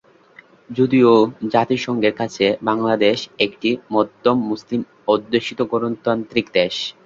যদিও জাতিসংঘের কাছে বাংলাদেশ একটি মধ্যম মুসলিম অধ্যুষিত গণতান্ত্রিক দেশ।